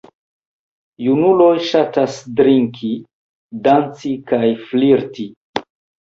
Junuloj ŝatas drinki, danci kaj flirti.